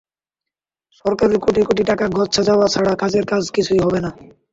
সরকারের কোটি কোটি টাকা গচ্ছা যাওয়া ছাড়া কাজের কাজ কিছুই হবে না।